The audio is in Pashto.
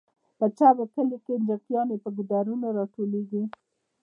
په چم او کلیو کې جلکیانې په ګودرونو راټولیږي